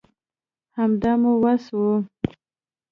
همدا مو وس وو